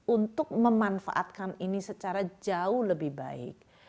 untuk memanfaatkan ini secara jauh lebih baik